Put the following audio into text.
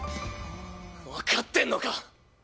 分かってんのか！